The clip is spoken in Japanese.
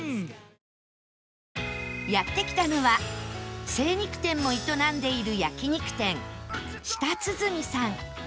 やって来たのは精肉店も営んでいる焼肉店したつづみさん